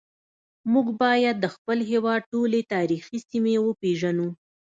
موږ باید د خپل هیواد ټولې تاریخي سیمې وپیژنو